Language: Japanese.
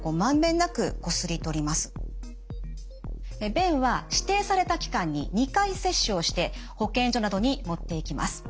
便は指定された期間に２回採取をして保健所などに持っていきます。